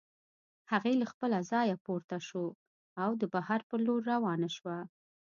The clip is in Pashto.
هغې له خپله ځايه پورته شوه او د بهر په لور روانه شوه.